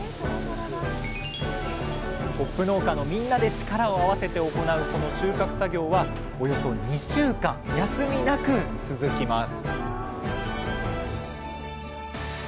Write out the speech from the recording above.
ホップ農家のみんなで力を合わせて行うこの収穫作業はおよそ２週間休みなく続きます